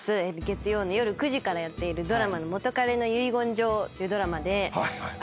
月曜の夜９時からやっているドラマの『元彼の遺言状』というドラマで。